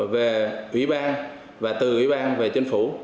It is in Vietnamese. về ủy ban và từ ủy ban về chính phủ